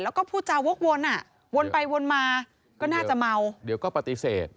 แล้วก็พูดจาวกวนอ่ะวนไปวนมาก็น่าจะเมาเดี๋ยวก็ปฏิเสธ